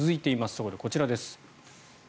そこでこちらです。